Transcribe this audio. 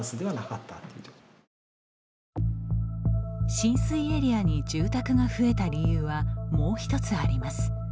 浸水エリアに住宅が増えた理由はもう１つあります。